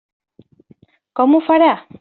Com ho farà?